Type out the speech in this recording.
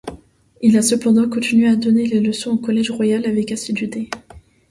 Il a cependant continué à donner des leçons au Collège royal avec assiduité.